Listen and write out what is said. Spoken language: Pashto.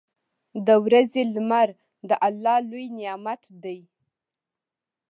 • د ورځې لمر د الله لوی نعمت دی.